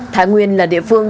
thái nguyên là địa phương